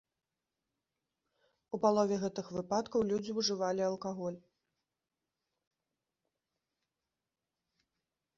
У палове гэтых выпадкаў людзі ўжывалі алкаголь.